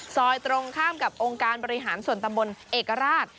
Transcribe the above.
ตรงข้ามกับองค์การบริหารส่วนตำบลเอกราช